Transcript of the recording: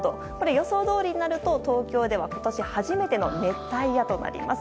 予想どおりになると、東京では今年初めての熱帯夜となります。